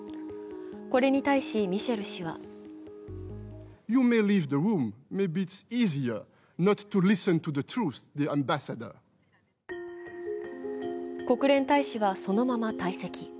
これに対しミシェル氏は国連大使はそのまま退席。